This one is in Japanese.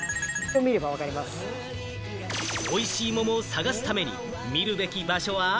美味しいものを探すために見るべき場所は？